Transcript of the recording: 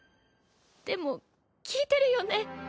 でも聞いてるよね？